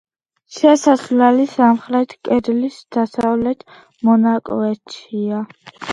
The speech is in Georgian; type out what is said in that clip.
შესასვლელი სამხრეთ კედლის დასავლეთ მონაკვეთშია.